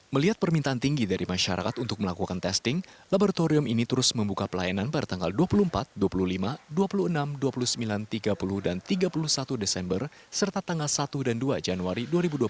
melihat permintaan tinggi dari masyarakat untuk melakukan testing laboratorium ini terus membuka pelayanan pada tanggal dua puluh empat dua puluh lima dua puluh enam dua puluh sembilan tiga puluh dan tiga puluh satu desember serta tanggal satu dan dua januari dua ribu dua puluh satu